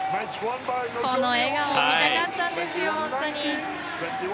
この笑顔が見たかったんですよ、本当に。